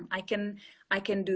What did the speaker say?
saya bisa melakukan itu